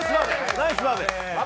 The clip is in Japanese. ナイスバーベ！